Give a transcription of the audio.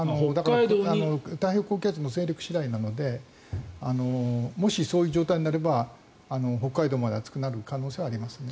太平洋高気圧の勢力次第なのでもし、そういう状態になれば北海道まで暑くなる可能性はありますね。